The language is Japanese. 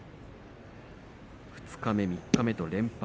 二日目、三日目と連敗。